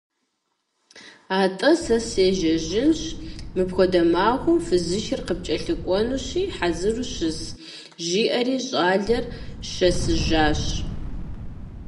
- АтӀэ, сэ сежьэжынщ, мыпхуэдэ махуэм фызышэр къыпкӀэлъыкӀуэнущи, хьэзыру щыс, - жиӀэри, щӀалэр шэсыжащ.